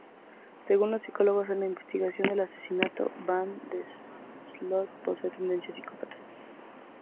Según los psicólogos en la investigación del asesinato, Van der Sloot posee tendencias psicópatas.